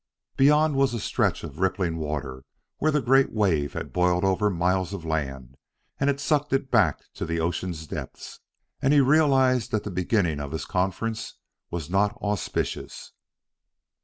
Beyond was a stretch of rippling water where the great wave had boiled over miles of land and had sucked it back to the ocean's depths. And he realized that the beginning of his conference was not auspicious.